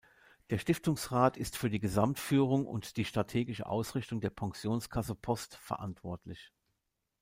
Der Stiftungsrat ist für die Gesamtführung und die strategische Ausrichtung der Pensionskasse Post verantwortlich.